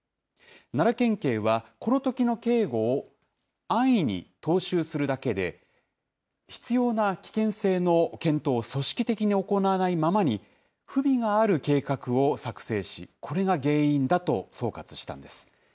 奈良県警は、このときの警護を安易に踏襲するだけで、必要な危険性の検討を組織的に行わないままに不備がある計画を作成し、これが原因だと総括したんです。